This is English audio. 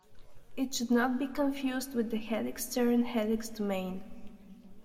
It should not be confused with the helix-turn-helix domain.